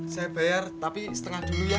saya bayar tapi setengah dulu ya